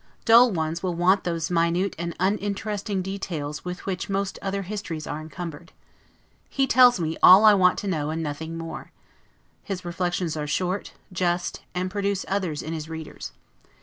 Dull ones will want those minute and uninteresting details with which most other histories are encumbered. He tells me all I want to know, and nothing more. His reflections are short, just, and produce others in his readers.